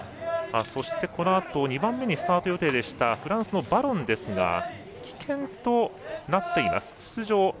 そして、このあと２番目にスタート予定でしたフランスのバロンですが棄権となっています。